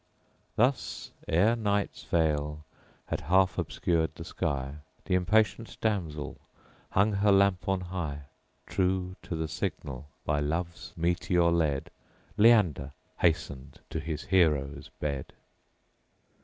Thus, ere night's veil had half obscured the sky, Th' impatient damsel hung her lamp on high: True to the signal, by love's meteor led, Leander hasten'd to his Hero's bed.